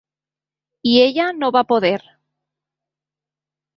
I ella no va poder.